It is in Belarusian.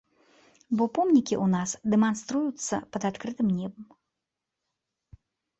Бо помнікі ў нас дэманструюцца пад адкрытым небам.